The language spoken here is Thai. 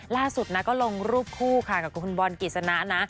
ล่าสุดนะก็ลงรูปคู่ค่ะกับคุณบอลกฤษณะนะ